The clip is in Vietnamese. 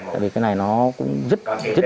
tại vì cái này nó cũng rất nhiều